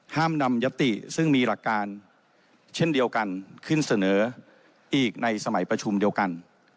ห้ามนำยติซึ่งมีหลักการเช่นเดียวกันขึ้นเสนออีกในสมัยประชุมเดียวกัน